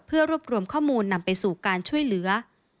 เพื่อรวบรวมข้อมูลนำไปสู่การช่วยเหลือ